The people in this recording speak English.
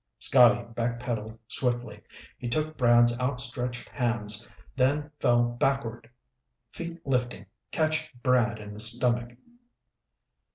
Scotty back pedaled swiftly. He took Brad's out stretched hands, then fell backward, feet lifting, catching Brad in the stomach.